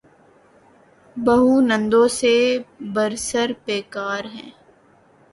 بہو نندوں سے برسر پیکار ہے۔